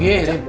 kasian reb g